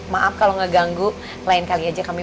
maaf kalau gak ganggu lain kali aja kami